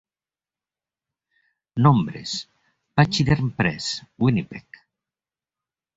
"Nombres", Pachyderm Press, Winnipeg.